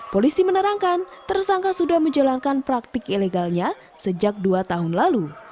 polisi menerangkan tersangka sudah menjalankan praktik ilegalnya sejak dua tahun lalu